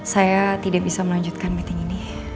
saya tidak bisa melanjutkan meeting ini